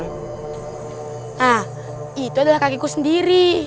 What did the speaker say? nah itu adalah kakiku sendiri